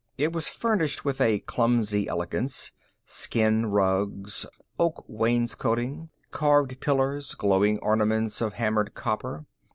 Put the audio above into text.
It was furnished with a clumsy elegance, skin rugs, oak wainscoting, carved pillars, glowing ornaments of hammered copper.